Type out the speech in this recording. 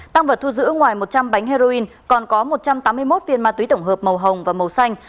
tăng vật thu giữ ngoài một trăm linh bánh heroin còn có một trăm tám mươi một viên ma túy tổng hợp màu hồng và màu xanh